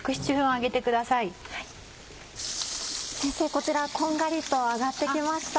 こちらこんがりと揚がって来ました。